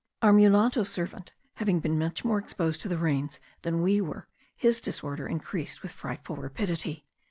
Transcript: Our mulatto servant having been much more exposed to the rains than we were, his disorder increased with frightful rapidity.